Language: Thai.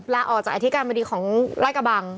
ละออกจากอาทิตย์การบริษัทของรักกะบัง